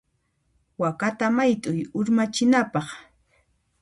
Wakata mayt'uy urmachinapaq.